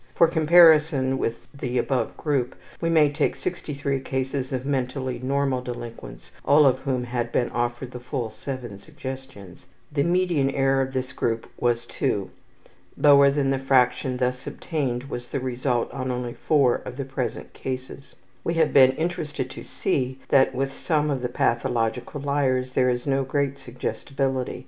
For comparison with the above group, we may take 63 cases of mentally normal delinquents, all of whom had been offered the full 7 suggestions. The median error of this group was two. Lower than the fraction thus obtained was the result on only 4 of the present cases. We have been interested to see that with some of the pathological liars there is no great suggestibility.